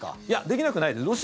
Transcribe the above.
いや、できなくないです。